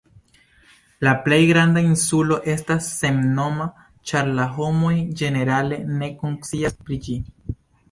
La plej granda insulo estas sennoma, ĉar la homoj ĝenerale ne konscias pri ĝi.